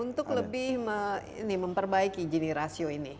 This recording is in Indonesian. untuk lebih memperbaiki jenis rasio ini